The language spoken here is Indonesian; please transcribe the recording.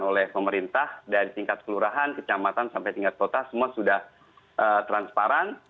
oleh pemerintah dari tingkat kelurahan kecamatan sampai tingkat kota semua sudah transparan